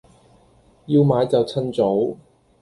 要買就襯早